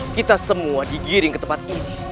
kita semua digiring ke tempat ini